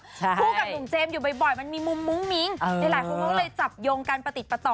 คู่กับหนุ่มเจมส์อยู่บ่อยมันมีมุมมุ้งมิ้งหลายคนก็เลยจับโยงกันประติดประต่อ